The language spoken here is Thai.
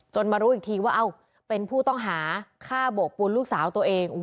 มารู้อีกทีว่าเป็นผู้ต้องหาฆ่าโบกปูนลูกสาวตัวเอง